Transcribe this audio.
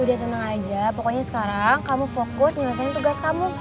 udah tenang aja pokoknya sekarang kamu fokus nyelesain tugas kamu